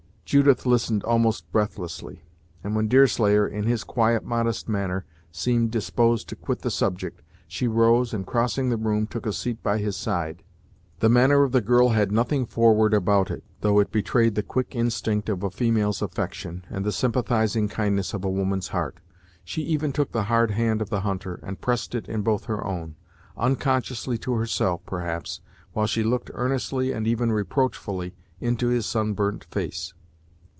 Judith listened almost breathlessly; and when Deerslayer, in his quiet, modest manner, seemed disposed to quit the subject, she rose, and crossing the room, took a seat by his side. The manner of the girl had nothing forward about it, though it betrayed the quick instinct of a female's affection, and the sympathizing kindness of a woman's heart. She even took the hard hand of the hunter, and pressed it in both her own, unconsciously to herself, perhaps, while she looked earnestly and even reproachfully into his sun burnt face.